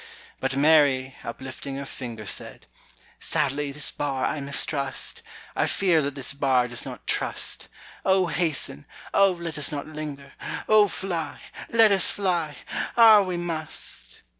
But Mary, uplifting her finger, Said: "Sadly this bar I mistrust, I fear that this bar does not trust. Oh, hasten! oh, let us not linger! Oh, fly, let us fly, are we must!"